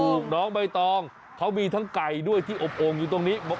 น้องใบตองเขามีทั้งไก่ด้วยที่อบโอ่งอยู่ตรงนี้